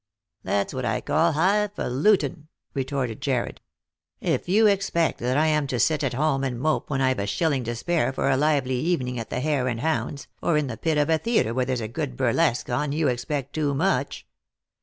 " That's what I call high falutin," retorted Jarred. " If you expect that I am to sit at home and mope when I've a shilling to spare for a lively evening at the Hare and Hounds, or in the pit of a theatre where there's a good burlesque on, you expect too much.